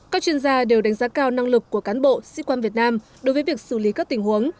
các chuyên gia đều đánh giá cao năng lực của cán bộ sĩ quan việt nam đối với việc xử lý các tình huống